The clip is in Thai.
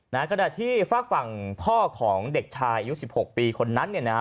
ขณะที่ฝากฝั่งพ่อของเด็กชายอายุสิบหกปีคนนั้นเนี่ยนะฮะ